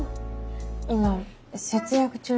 今節約中で。